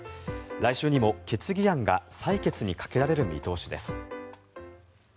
来週にも決議案が採決にかけられる見通しです。